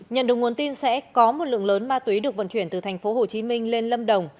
nhận được nguồn tin sẽ có một lượng lớn ma túy được vận chuyển từ tp hcm lên lâm đồng